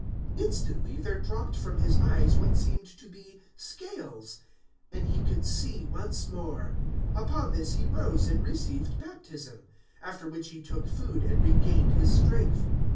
009:018 Instantly there dropped from his eyes what seemed to be scales, and he could see once more. Upon this he rose and received baptism; 009:019 after which he took food and regained his strength.